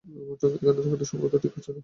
আমার এখানে থাকাটা সম্ভবত ঠিক হচ্ছে না।